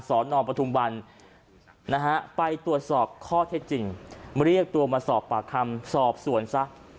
นปทุมวันนะฮะไปตรวจสอบข้อเท็จจริงเรียกตัวมาสอบปากคำสอบสวนซะ